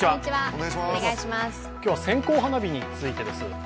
今日は線香花火についてです。